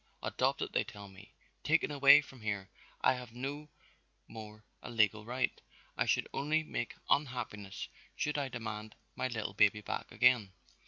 Adopted they tell me, taken away from here, I haf no more a legal right, I should only make unhappiness should I demand my little baby back again."